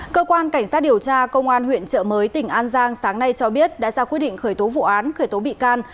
cơ quan cảnh sát điều tra công an huyện trợ mới tỉnh an giang sáng nay cho biết đã ra quyết định khởi tố vụ án khởi tố bị can